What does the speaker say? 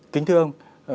kính thưa ông